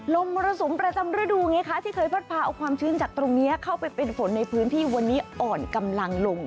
มรสุมประจำฤดูไงคะที่เคยพัดพาเอาความชื้นจากตรงนี้เข้าไปเป็นฝนในพื้นที่วันนี้อ่อนกำลังลง